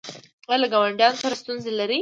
ایا له ګاونډیانو سره ستونزې لرئ؟